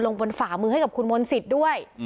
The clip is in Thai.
ลงบนฝ่ามือให้กับคุณมนศิษย์ด้วย